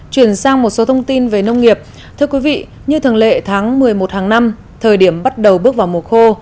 chuyển sang một số thông tin về nông nghiệp thưa quý vị như thường lệ tháng một mươi một hàng năm thời điểm bắt đầu bước vào mùa khô